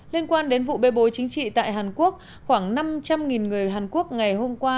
liên quan đến vụ bê bối chính trị tại hàn quốc khoảng năm trăm linh người hàn quốc ngày hôm qua